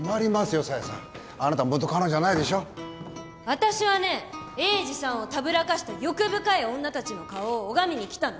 私はね栄治さんをたぶらかした欲深い女たちの顔を拝みに来たのよ！